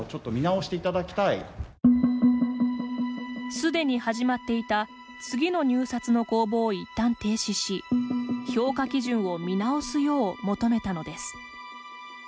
すでに始まっていた次の入札の公募をいったん停止し評価基準を見直すよう求めたのです。